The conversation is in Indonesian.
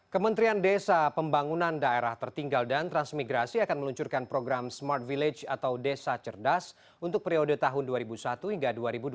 kementerian desa pembangunan daerah tertinggal dan transmigrasi akan meluncurkan program smart village atau desa cerdas untuk periode tahun dua ribu satu hingga dua ribu dua puluh